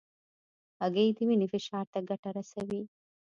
هګۍ د وینې فشار ته ګټه رسوي.